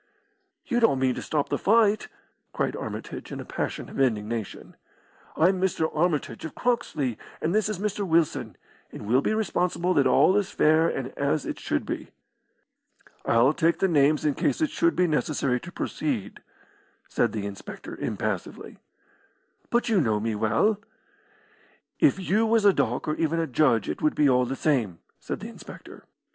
"You don't mean to stop the fight?" cried Armitage, in a passion of indignation. "I'm Mr. Armitage, of Croxley, and this is Mr. Wilson, and we'll be responsible that all is fair and as it should be." "I'll take the names in case it should be necessary to proceed," said the inspector, impassively. "But you know me well." "If you was a dook or even a judge it would be all' the same," said the inspector.